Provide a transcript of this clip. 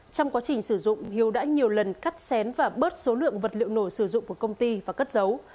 trong quá trình sử dụng hiếu đã nhiều lần cắt xén và bớt số lượng vật liệu nổ sử dụng của công ty và cất giấu